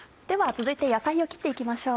続いて野菜を切って行きましょう。